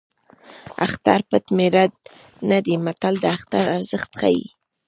اختر پټ مېړه نه دی متل د اختر ارزښت ښيي